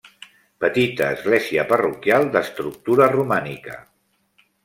Petita església parroquial d'estructura romànica.